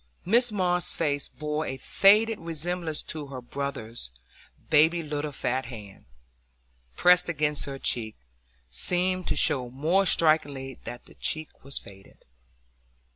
Mrs Moss's face bore a faded resemblance to her brother's; baby's little fat hand, pressed against her cheek, seemed to show more strikingly that the cheek was faded.